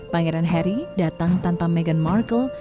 pangeran harry datang tanpa meghan markle